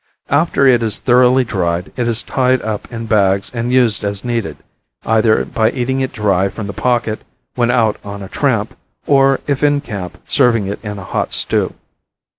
After it is thoroughly dried, it is tied up in bags and used as needed, either by eating it dry from the pocket when out on a tramp, or, if in camp, serving it in a hot stew.